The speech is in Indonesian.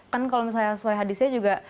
kan kalau misalnya sesuai hadisnya juga